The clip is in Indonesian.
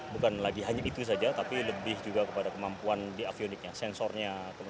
bukan lagi hanya itu saja tapi lebih juga kepada kemampuan di avioniknya sensornya